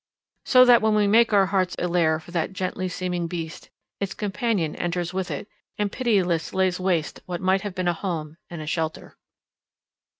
So that when we make our hearts a lair for that gently seeming beast, its companion enters with it, and pitilessly lays waste what might have been an home and a shelter."